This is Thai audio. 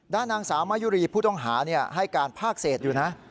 ด้านหนังสาวมายุรีพุทธองหาให้การพากเศษอยู่นะ